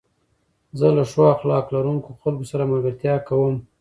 زه له ښو اخلاق لرونکو خلکو سره ملګرتيا کوم.